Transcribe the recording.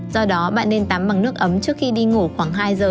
do đó bạn nên tắm bằng nước ấm trước khi đi ngủ khoảng hai giờ